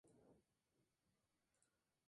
Leavenworth nació en Riverside, California.